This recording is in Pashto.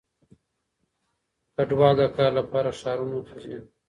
کډوال د کار لپاره ښارونو ته ځي.